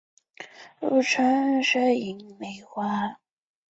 与美空云雀被视为日本战后最具代表性的演艺家之一。